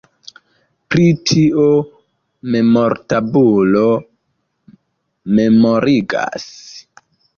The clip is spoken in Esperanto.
Pri tio memortabulo memorigas.